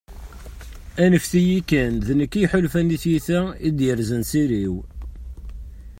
anfet-iyi kan, d nekk i yeḥulfan, i tyita i d-yerzan s iri-w